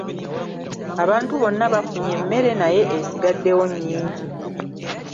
Abantu bonna bafunye emmere naye esigaddewo nnyingi.